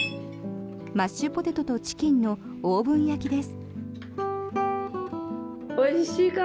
マッシュポテトとチキンのオーブン焼きです。